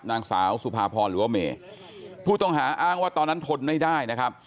นางสาวสุภาพรหรือว่าเมย์ผู้ต้องหาอ้างว่าตอนนั้นทนไม่ได้นะครับ